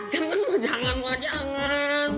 jangan jangan jangan